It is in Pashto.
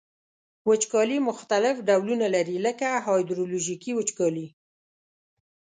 وچکالي مختلف ډولونه لري لکه هایدرولوژیکي وچکالي.